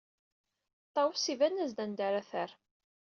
Ṭawes iban-as-d anda ara terr.